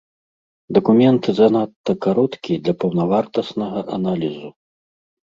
Дакумент занадта кароткі для паўнавартаснага аналізу.